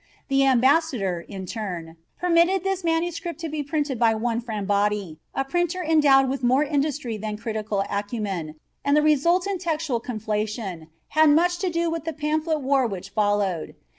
The ambassador, in turn, permitted this MS. to be printed by one Frambotti, a printer endowed with more industry than critical acumen, and the resultant textual conflation had much to do with the pamphlet war which followed.